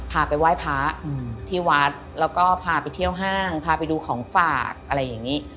พาไปไหว้พระที่วัดแล้วก็พาไปเที่ยวห้างพาไปดูของฝากอะไรอย่างนี้